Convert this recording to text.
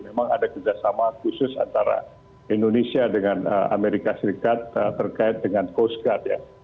memang ada kerjasama khusus antara indonesia dengan amerika serikat terkait dengan coast guard ya